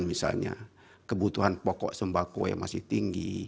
misalnya kebutuhan pokok sembako yang masih tinggi